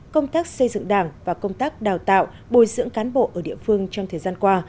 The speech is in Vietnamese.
công tác xây dựng đảng và công tác đào tạo bồi dưỡng cán bộ ở địa phương trong thời gian qua